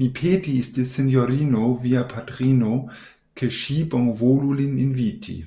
Mi petis de sinjorino via patrino, ke ŝi bonvolu lin inviti.